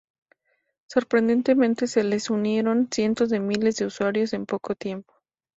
Sorprendentemente, se les unieron cientos de miles de usuarios en poco tiempo.